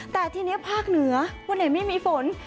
แต่ทีนี้ภาคเหนือวันไหนไม่มีฝน